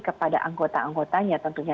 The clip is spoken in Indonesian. kepada anggota anggotanya tentunya